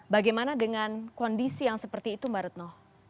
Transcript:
bagaimana dengan kondisi yang seperti itu mbak retno